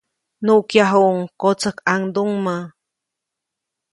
Nuʼkyajuʼuŋ kotsäjkʼaŋduŋmä.